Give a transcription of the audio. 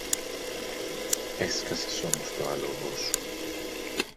Έσκασες όμως το άλογο σου.